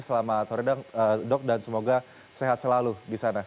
selamat sore dok dan semoga sehat selalu di sana